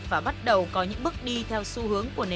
và bắt đầu có những bước đi theo xu hướng của nền kinh tế